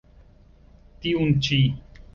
Tiun ĉi.